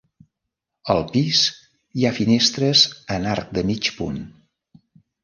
Al pis hi ha finestres en arc de mig punt.